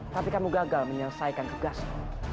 tapi kamu gagal menyelesaikan tugasmu